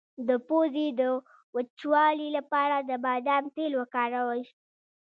د پوزې د وچوالي لپاره د بادام تېل وکاروئ